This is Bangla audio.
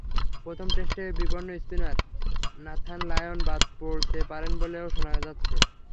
প্রথম টেস্টে বিবর্ণ স্পিনার নাথান লায়ন বাদ পড়তে পারেন বলেও শোনা যাচ্ছে।